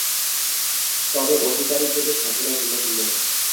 তবে অধিকারিভেদে সাধনা ভিন্ন ভিন্ন।